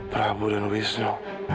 prabu dan wisnu